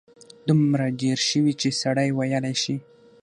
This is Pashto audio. دومره ډېر شوي چې سړی ویلای شي.